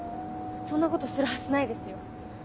そんなことするはずないですよ。